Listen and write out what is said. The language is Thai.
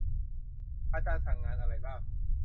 อาจารย์สั่งงานอะไรบ้าง